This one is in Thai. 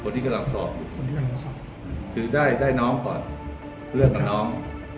คนที่กำลังสอบคือได้น้องก่อนเพื่อเลือกกับน้อง